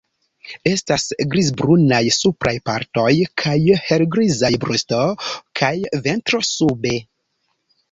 Estas grizbrunaj supraj partoj kaj helgrizaj brusto kaj ventro sube.